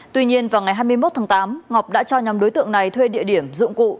tuy nhiên vào ngày hai mươi một tháng tám ngọc đã cho nhóm đối tượng này thuê địa điểm dụng cụ